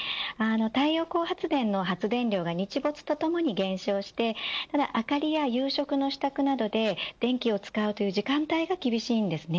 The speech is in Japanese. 太陽光発電の発電量が日没とともに減少して明かりや夕食の支度などで電気を使うという時間帯が厳しいです。